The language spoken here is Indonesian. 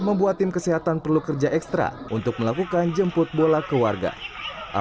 membuat tim kesehatan perlu kerja ekstra untuk melakukan jemput bola ke warga